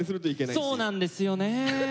そうなんですよね。